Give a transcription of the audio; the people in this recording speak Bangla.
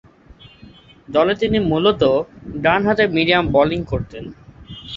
দলে তিনি মূলতঃ ডানহাতে মিডিয়াম বোলিং করতেন।